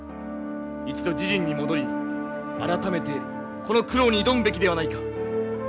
一度自陣に戻り改めてこの九郎に挑むべきではないか。